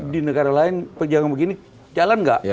di negara lain pegang begini jalan nggak